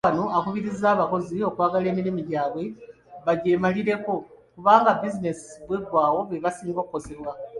Katikkiro era wano akubirizza abakozi okwagala emirimu gyabwe, bagyemalireko kubanga bizinesi bw'eggwawo bebasinga okukosebwa.